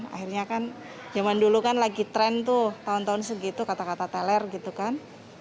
akhirnya kan zaman dulu kan lagi trend tuh tahun tahun segitu kata kata teler gitu kan